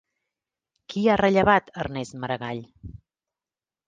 Qui ha rellevat Ernest Maragall?